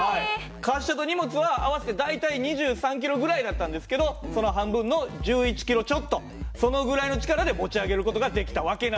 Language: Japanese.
滑車と荷物は合わせて大体２３キロぐらいだったんですけどその半分の１１キロちょっとそのぐらいの力で持ち上げる事ができた訳なんです。